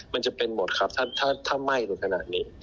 มันจะเป็นหมดครับถ้าไหม้ถึงขนาดนี้